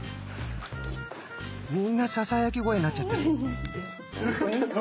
みんなささやき声になっちゃった。